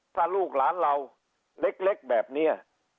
ถ้าลูกหลานเราเล็กแบบนี้